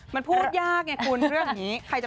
มันพูดยากเนี่ยคุณเรื่องนี้ใครจะไม่ยอมรับ